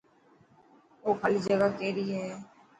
او خالي جگا ڪيري هي.